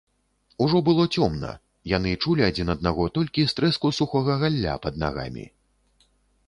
Ужо было цёмна, яны чулі адзін аднаго толькі з трэску сухога галля пад нагамі.